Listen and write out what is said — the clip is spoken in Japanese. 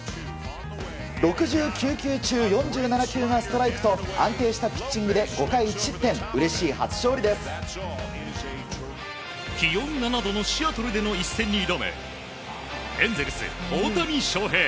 ６９球中４７球がストライクと安定したピッチングで５回１失点気温７度のシアトルでの一戦に挑むエンゼルス、大谷翔平。